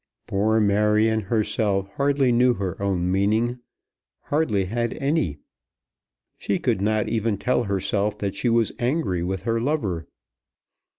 Poor Marion herself hardly knew her own meaning, hardly had any. She could not even tell herself that she was angry with her lover.